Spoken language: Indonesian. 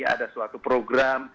ada suatu program